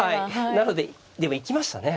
なのででも行きましたね。